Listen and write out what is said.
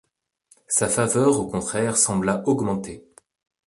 Sa faveur au contraire sembla augmenter.